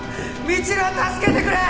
未知留は助けてくれ！